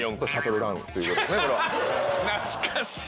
懐かしい。